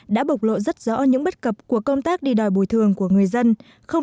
đã bộc lộ rất rõ những bất cập của công tác đi đòi bồi thường của người dân